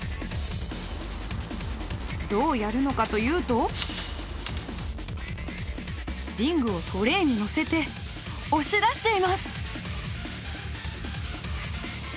どうやるのかというとリングをトレーにのせて押し出しています！